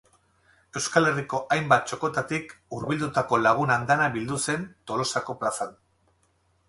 Euskal Herriko hainbat txokotatik hurbildutako lagun andana bildu zen Tolosako plazan.